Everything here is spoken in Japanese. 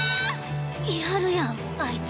やるやんあいつ。